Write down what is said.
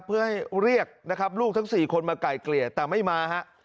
เพื่อให้เรียกลูกทั้งสี่คนมาไก่เกลียดแต่ไม่มา